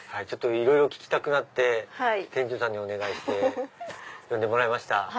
いろいろ聞きたくて店長さんにお願いして呼んでもらいました。